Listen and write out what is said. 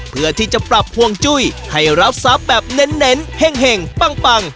เพื่อที่จะปรับภวงจุ้ยให้รับสรรพแบบเน้นเน้นเห็นเห่งปังปัง